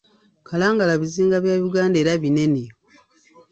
Kalangala bizinga bya Uganda era binene.